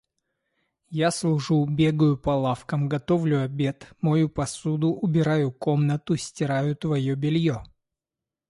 Я служу, бегаю по лавкам, готовлю обед, мою посуду, убираю комнату, стираю твоё бельё...